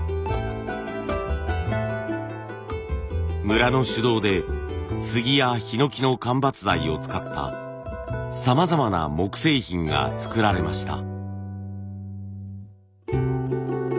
村の主導で杉やヒノキの間伐材を使ったさまざまな木製品が作られました。